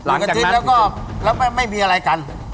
อาทิตย์แล้วก็แล้วไม่มีอะไรกัน